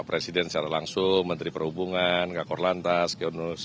pak presiden secara langsung menteri perhubungan kak korlantas